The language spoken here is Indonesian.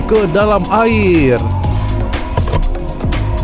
kedalam air kita